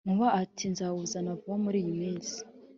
Nkuba ati « nzawuzana vuba muriyiminsi